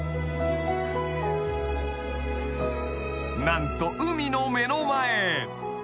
［何と海の目の前］